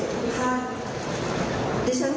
เพื่อไว้อะไรแก่ผู้เสียชีวิตร่วมกันค่ะ